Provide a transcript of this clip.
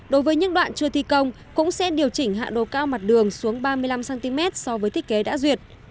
đối với những đoạn chưa thi công cũng sẽ điều chỉnh hạ đồ cao mặt đường xuống ba mươi năm cm so với thiết kế đã duyệt